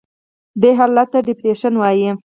دې حالت ته Depreciation وایي.